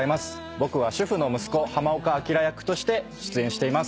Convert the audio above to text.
僕は主婦の息子浜岡あきら役として出演しています。